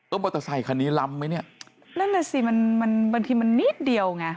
เออมันแต่ใส่คันนี้ลำไหมเนี่ยนั่นแหละสิมันมันบางทีมันนิดเดียวไง